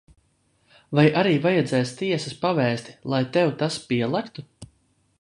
Vai arī vajadzēs tiesas pavēsti, lai tev tas pielektu?